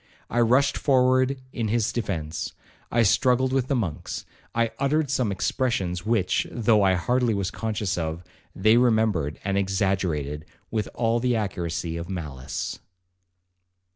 I rushed forward in his defence—I struggled with the monks—I uttered some expressions which, though I hardly was conscious of, they remembered and exaggerated with all the accuracy of malice.